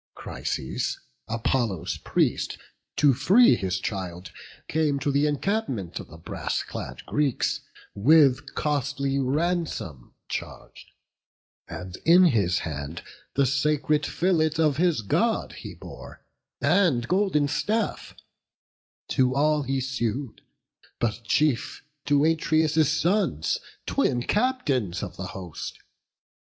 Chryses, Apollo's priest, to free his child, Came to th' encampment of the brass clad Greeks, With costly ransom charg'd; and in his hand The sacred fillet of his God he bore, And golden staff; to all he sued, but chief To Atreus' sons, twin captains of the host.